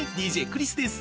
ＤＪクリスです。